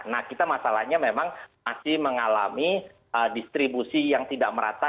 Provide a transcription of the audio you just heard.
nah kita masalahnya memang masih mengalami distribusi yang tidak merata